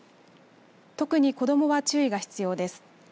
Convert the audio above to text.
特に子どもは注意が必要です。